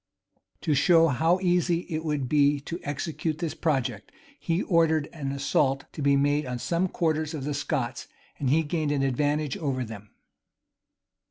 [*] To show how easy it would be to execute this project, he ordered an assault to be made on some quarters of the Scots, and he gained an advantage over them.